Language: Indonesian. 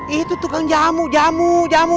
itu tukang jamu jamu jamu